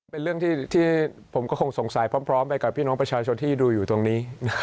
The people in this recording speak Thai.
เป็นเรื่องที่ผมก็คงสงสัยพร้อมไปกับพี่น้องประชาชนที่ดูอยู่ตรงนี้